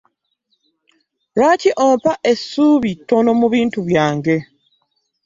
Lwaki ompa esuubi tono mu bintu byange?